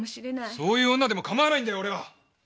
そういう女でも構わないんだよ俺は！！